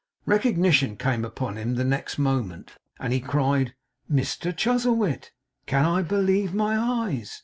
Recognition came upon him the next moment, and he cried: 'Mr Chuzzlewit! Can I believe my eyes!